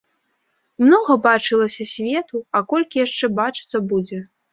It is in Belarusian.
Многа бачылася свету, а колькі яшчэ бачыцца будзе.